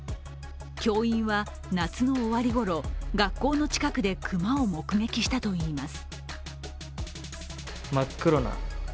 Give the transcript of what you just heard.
教員は夏の終わり頃、学校の近くで熊を目撃したといいます。